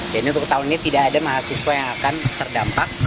jadi untuk tahun ini tidak ada mahasiswa yang akan terdampak